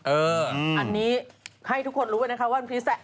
อันนี้ให้ทุกคนรู้ไว้ว่าว่า